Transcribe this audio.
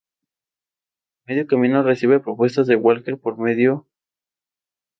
Coates dijo haber vivido con su padre todo el tiempo.